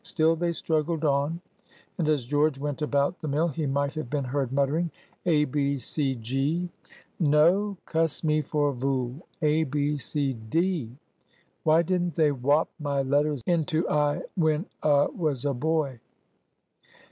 Still they struggled on, and as George went about the mill he might have been heard muttering,— "A B C G. No! Cuss me for a vool! A B C D. Why didn't they whop my letters into I when a was a boy?